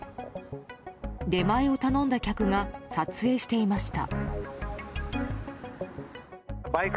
出前を頼んだ客が撮影していました。